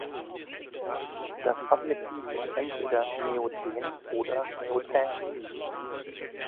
Das Adjektiv ist entweder „neoten“ oder „neotän“.